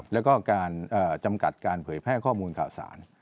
แล้วก็การจำกัดการเผยแพร่ข้อมูลข่าวสาร